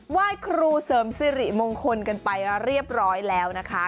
ไหว้ครูเสริมสิริมงคลกันไปเรียบร้อยแล้วนะคะ